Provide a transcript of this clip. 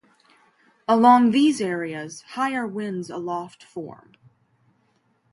Along these areas, higher winds aloft form.